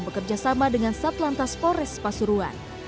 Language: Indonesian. bekerjasama dengan satlantas forest pasuruan